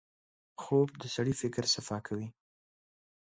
خوب د سړي فکر صفا کوي